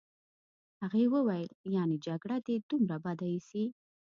هغې وویل: یعني جګړه دي دومره بده ایسي.